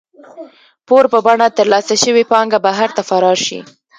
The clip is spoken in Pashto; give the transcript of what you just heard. پور په بڼه ترلاسه شوې پانګه بهر ته فرار شي.